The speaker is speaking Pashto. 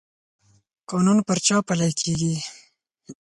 قانون پر چا پلی کیږي؟